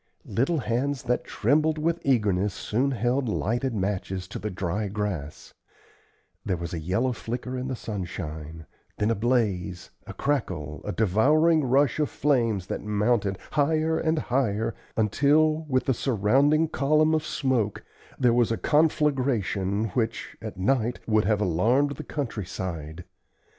Little hands that trembled with eagerness soon held lighted matches to the dry grass; there was a yellow flicker in the sunshine, then a blaze, a crackle, a devouring rush of flames that mounted higher and higher until, with the surrounding column of smoke, there was a conflagration which, at night, would have alarmed the country side.